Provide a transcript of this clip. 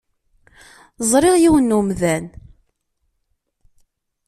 Ẓriɣ yiwen n umdan.